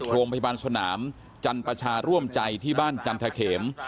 โรงพยาบาลสนามจันประชาร่วมใจที่บ้านจันทะเขม